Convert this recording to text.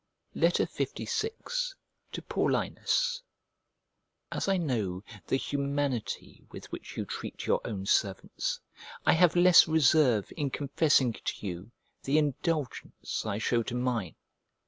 LVI To PAULINUS As I know the humanity with which you treat your own servants, I have less reserve in confessing to you the indulgence I shew to mine.